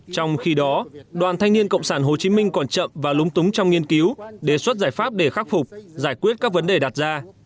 trong khi đó đoàn thanh niên cộng sản hồ chí minh còn chậm và lúng túng trong nghiên cứu đề xuất giải pháp để khắc phục giải quyết các vấn đề đặt ra